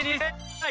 はい。